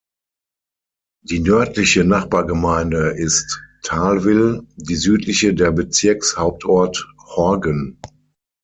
Die nördliche Nachbargemeinde ist Thalwil, die südliche der Bezirkshauptort Horgen.